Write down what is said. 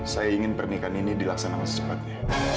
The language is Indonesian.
saya ingin pernikahan ini dilaksanakan secepatnya